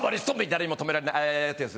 誰にも止められない」ってやつ。